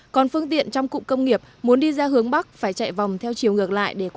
còn phương tiện trong cụm công nghiệp muốn đi ra hướng bắc phải chạy vòng theo chiều ngược